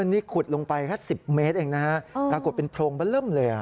นี่ขุดลงไปแค่๑๐เมตรเองนะฮะปรากฏเป็นโพรงบะเริ่มเลย